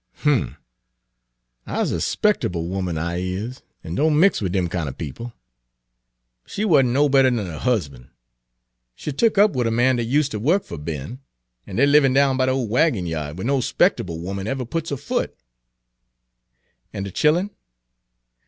"Umph! I 's a 'spectable 'omen, I is, en don' mix wid dem kind er people. She wuz 'n' no better 'n her husban'. She tuk up wid a man dat useter wuk fer Ben, an' dey're livin' down by de ole wagon ya'd, where no 'spectable 'omen ever puts her foot." "An' de chillen?"